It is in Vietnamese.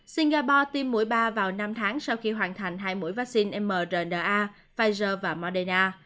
singapore tiêm mũi ba vào năm tháng sau khi hoàn thành hai mũi vaccine mrna pfizer và moderna